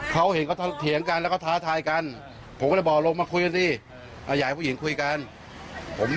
เขาเห็นเขาเถียงกันแล้วก็ท้าทายกันผมก็ละบอกลบมาคุยกันติ